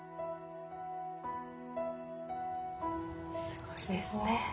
すごいですね。